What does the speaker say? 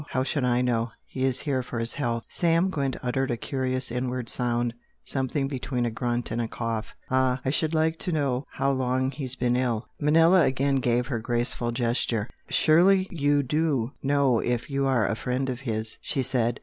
How should I know? He is here for his health." Sam Gwent uttered a curious inward sound, something between a grunt and a cough. "Ah! I should like to know how long he's been ill!" Manella again gave her graceful gesture. "Surely you DO know if you are a friend of his?" she said.